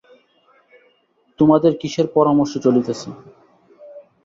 তোমাদের কিসের পরামর্শ চলিতেছে।